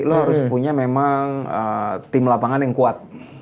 lo harus punya memang tim lapangan yang kuat